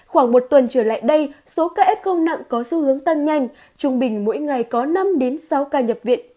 khoảng một tuần trở lại đây số ca f nặng có xu hướng tăng nhanh trung bình mỗi ngày có năm đến sáu ca nhập viện